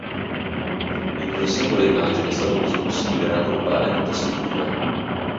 In una singola immagine è stato così possibile raggruppare tutta Siviglia.